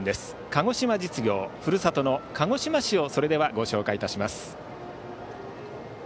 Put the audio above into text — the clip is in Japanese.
鹿児島実業ふるさとの鹿児島市をご紹介いたします。